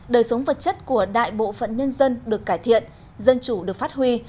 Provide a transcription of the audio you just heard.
đời sống vật chất của đại bộ phận nhân dân được cải thiện dân chủ được phát huy